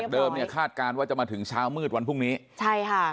เนี่ยคาดการณ์ว่าจะมาถึงเช้ามืดวันพรุ่งนี้ใช่ค่ะ